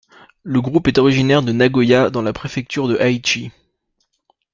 Le groupe est originaire de Nagoya dans la préfecture de Aichi.